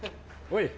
おい。